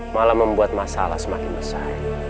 malah membuat masalah semakin besar